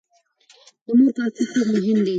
د مور کافي خوب مهم دی.